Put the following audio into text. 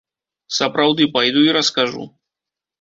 Сапраўды, пайду і раскажу.